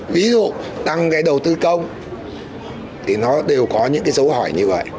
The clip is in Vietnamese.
ví dụ tăng cái đầu tư công thì nó đều có những cái dấu hỏi như vậy